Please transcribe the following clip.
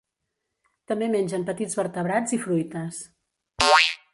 També mengen petits vertebrats i fruites.